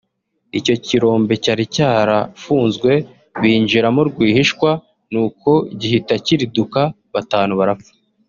Icyo kirombe cyari cyarafunzwe binjiramo rwihishwa nuko gihita kiriduka batanu barapfa